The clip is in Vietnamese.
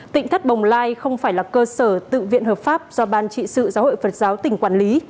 tỉnh thất bồng lai không phải là cơ sở tự viện hợp pháp do ban trị sự giáo hội phật giáo tỉnh quản lý